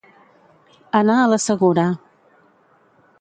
Anar a la segura.